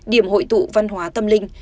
điểm hội tụ văn hóa tâm linh